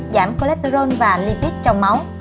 giảm cholesterol và lipid trong máu